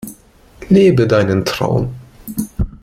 Lebe deinen Traum!